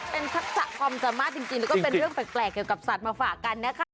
เป็นศักดิ์สระความสามารถจริงหรือเป็นเรื่องแปลกเกี่ยวกับสัตว์มาฝากกันนะครับ